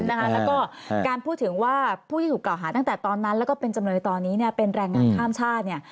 แล้วก็การพูดถึงว่าผู้ที่ถูกกล่าวหาตั้งแต่ตอนนั้นแล้วก็เป็นจำเลยตอนนี้เป็นแรงงานข้ามชาติ